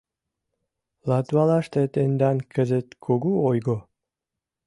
«Латвалаште тендан кызыт кугу ойго.